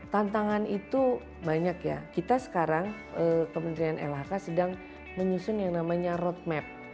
tantangan itu banyak ya kita sekarang kementerian lhk sedang menyusun yang namanya roadmap